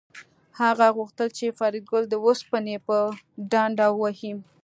هغه غوښتل چې فریدګل د اوسپنې په ډنډه ووهي